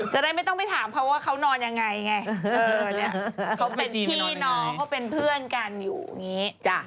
จะได้ไม่ต้องไปถามเขาว่าเขานอนยังไงไงเขาเป็นพี่น้องเขาเป็นเพื่อนกันอยู่อย่างนี้